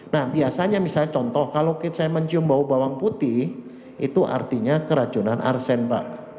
nah biasanya misalnya contoh kalau saya mencium bau bawang putih itu artinya keracunan arsen pak